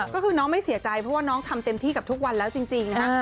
ก็คือน้องไม่เสียใจเพราะว่าน้องทำเต็มที่กับทุกวันแล้วจริงนะฮะ